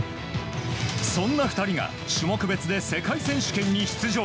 そんな２人が種目別で世界選手権に出場。